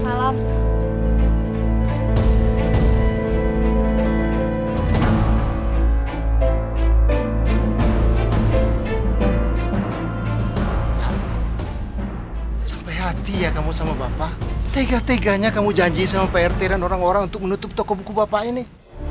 sampai hati ya kamu sama bapak tega teganya kamu janji sama prt dan orang orang untuk menutup toko buku bapak ini